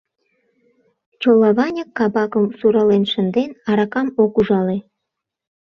Чолаваньык кабакым сурален шынден, аракам ок ужале.